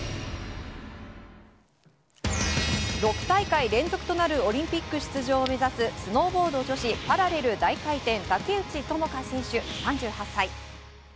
６大会連続となるオリンピック出場を目指すスノーボード女子パラレル大回転、竹内智香選手、３８歳。